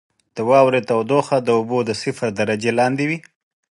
• د واورې تودوخه د اوبو د صفر درجې لاندې وي.